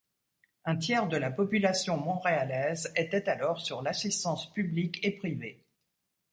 Un tiers de la population montréalaise était alors sur l’assistance publique et privée.